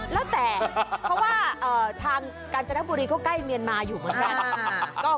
แล้วแต่เพราะว่าทางกาญจนบุรีก็ใกล้เมียนมาอยู่เหมือนกัน